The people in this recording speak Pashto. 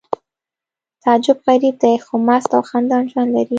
تعجب غریب دی خو مست او خندان ژوند لري